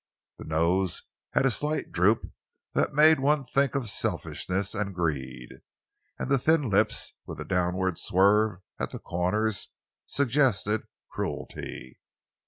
The nose had a slight droop that made one think of selfishness and greed, and the thin lips, with a downward swerve at the corners, suggested cruelty.